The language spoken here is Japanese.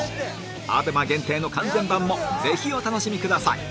アベマ限定の完全版もぜひお楽しみください